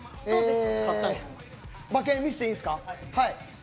馬券見せていいんですか。